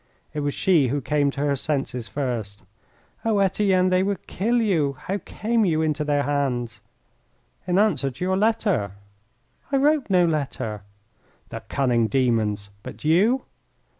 It was she who came to her senses first. "Oh, Etienne, they will kill you. How came you into their hands?" "In answer to your letter." "I wrote no letter." "The cunning demons! But you?"